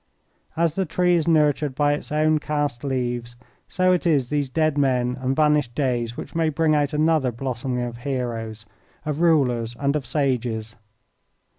As the tree is nurtured by its own cast leaves so it is these dead men and vanished days which may bring out another blossoming of heroes, of rulers, and of sages.